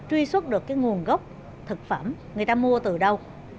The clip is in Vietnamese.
truy xuất được cái nguồn gốc thực phẩm người ta mua từ đâu